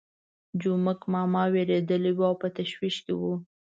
جومک ماما وېرېدلی وو او په تشویش کې وو.